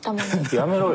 やめろよ。